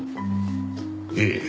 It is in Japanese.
ええ。